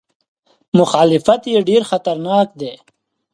مخالفت یې ډېر خطرناک دی.